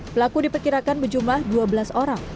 pelaku diperkirakan berjumlah dua belas orang